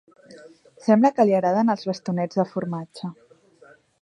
Sembla que li agraden els bastonets de formatge.